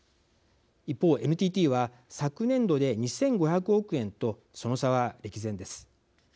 一方ＮＴＴは昨年度で２，５００億円とその差は歴然です。